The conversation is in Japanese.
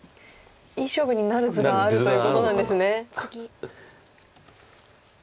いい勝負になる図があるということなんですね。